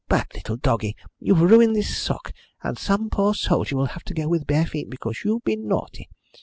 "Bad little doggie, you've ruined this sock, and some poor soldier will have to go with bare feet because you've been naughty!